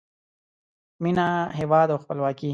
مینه، هیواد او خپلواکۍ